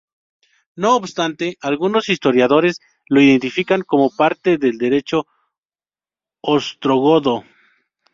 No obstante, algunos historiadores lo identifican como parte del derecho Ostrogodo.